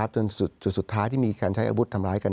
จนจุดสุดท้ายที่มีการใช้อาวุธทำร้ายกัน